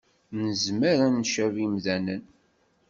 Nezmer ad ncabi imdanen